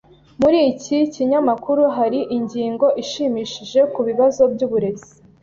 Muri iki kinyamakuru hari ingingo ishimishije ku bibazo byuburezi.